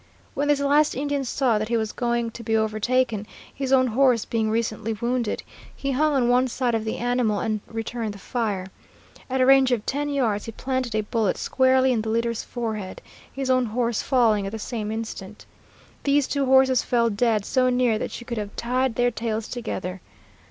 When this last Indian saw that he was going to be overtaken, his own horse being recently wounded, he hung on one side of the animal and returned the fire. At a range of ten yards he planted a bullet squarely in the leader's forehead, his own horse falling at the same instant. Those two horses fell dead so near that you could have tied their tails together.